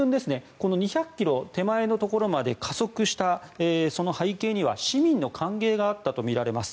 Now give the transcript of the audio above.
この２００ｋｍ手前のところまで加速したその背景には市民の歓迎があったとみられます。